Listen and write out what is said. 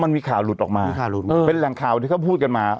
มีค่าหลุดออกมารังข่าวที่เขาพูดกันมา